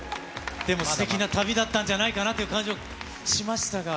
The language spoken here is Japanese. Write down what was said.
でも、すてきな旅だったんじゃないかなという感じもしましたが。